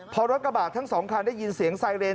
พอรถกระบะทั้งสองคันได้ยินเสียงไซเรน